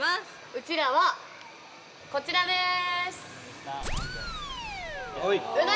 うちらはこちらです